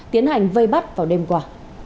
tiến hành vây bắt vào đêm qua